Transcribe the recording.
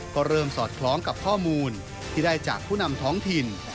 ก็เริ่มสอดคล้องกับข้อมูลที่ได้จากผู้นำท้องถิ่น